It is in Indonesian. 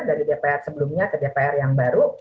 dari dpr sebelumnya ke dpr yang baru